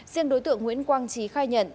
riêng đối tượng nguyễn quang trí khai nhận